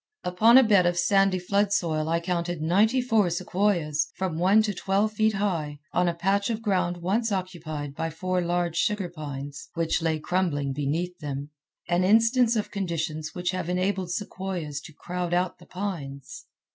Upon a bed of sandy floodsoil I counted ninety four sequoias, from one to twelve feet high, on a patch of ground once occupied by four large sugar pines which lay crumbling beneath them—an instance of conditions which have enabled sequoias to crowd out the pines.